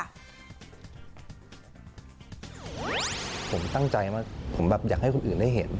นะคะผมตั้งใจมากผมอยากให้คนอื่นได้เห็น